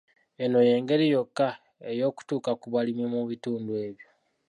Eno y'engeri yokka ey'okutuuka ku balimi mu bitundu ebyo.